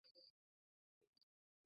যা টোপ খুলে গেল! হাঙ্গর পালাল।